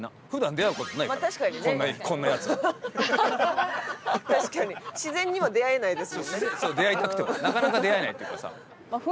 出会いたくてもなかなか出会えないっていうかさ。